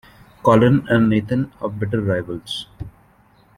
Colin and Nathan are bitter rivals.